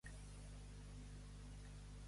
Passar l'atxa.